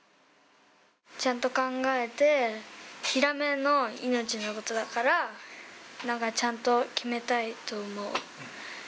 ちゃんと考えて、ヒラメの命のことだから、なんかちゃんと決めたいと思う。